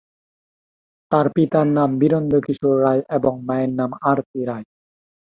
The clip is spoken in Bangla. তার পিতার নাম বীরেন্দ্র কিশোর রায় এবং মায়ের নাম আরতি রায়।